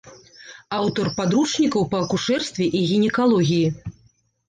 Аўтар падручнікаў па акушэрстве і гінекалогіі.